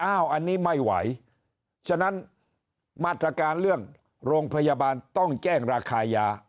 อันนี้ไม่ไหวฉะนั้นมาตรการเรื่องโรงพยาบาลต้องแจ้งราคายา